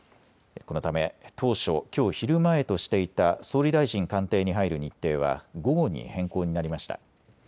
このため当初、きょう昼前としていた総理大臣官邸に入る日程は午後に変更になりました。